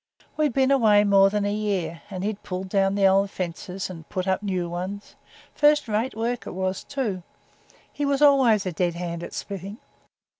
We'd been away more than a year, and he'd pulled down the old fences and put up new ones first rate work it was too; he was always a dead hand at splitting.